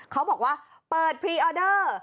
เขาบอกว่าเปิดพรีออเดอร์